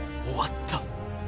終わった。